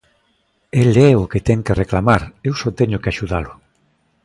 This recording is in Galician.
El é o que ten que reclamar, eu só teño que axudalo.